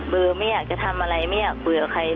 เบลอไม่อยากจะทำอะไรไม่อยากเบลอใคร